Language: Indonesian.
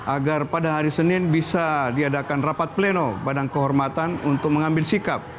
agar pada hari senin bisa diadakan rapat pleno badan kehormatan untuk mengambil sikap